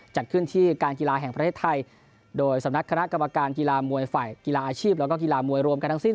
จัดขึ้นที่การกีฬาแห่งประเทศไทยโดยสำนักคณะกรรมการกีฬามวยฝ่ายกีฬาอาชีพแล้วก็กีฬามวยรวมกันทั้งสิ้น